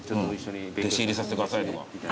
弟子入りさせてくださいとか。